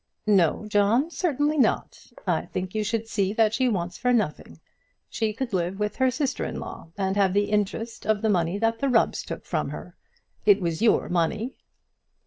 "No, John; certainly not. I think you should see that she wants for nothing. She could live with her sister in law, and have the interest of the money that the Rubbs took from her. It was your money."